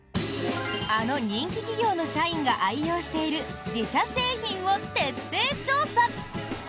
あの人気企業の社員が愛用している自社製品を徹底調査。